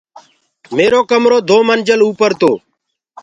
ميرو ڪمرو دو منجل اوپر تو